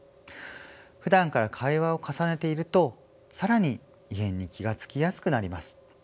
ふだんから会話を重ねていると更に異変に気が付きやすくなります。